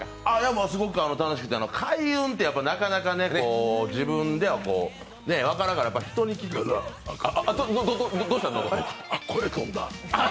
すごく楽しくて、開運ってなかなか自分では分からないから人に聞く、グワッ、あっ、声とんだ。